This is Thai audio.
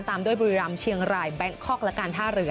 ตามด้วยบุรีรำเชียงรายแบงคอกและการท่าเรือ